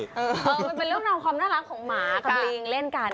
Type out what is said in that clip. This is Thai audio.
มันเป็นเรื่องราวความน่ารักของหมากับลิงเล่นกัน